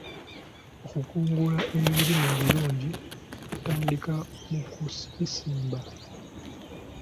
Okukungula ebirime ebirungi kutandikira mu kubisimba.